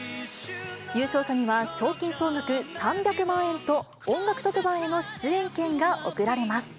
優勝者には賞金総額３００万円と、音楽特番への出演権が贈られます。